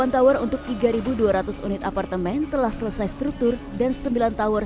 delapan tower untuk tiga dua ratus unit apartemen telah selesai struktur